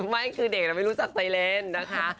ไม่คือเด็กไม่รู้จักไซเรนนะคะ